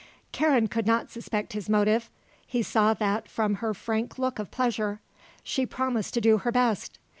Karen could not suspect his motive; he saw that from her frank look of pleasure. She promised to do her best.